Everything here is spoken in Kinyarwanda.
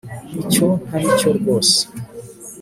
icyo ntaricyo rwose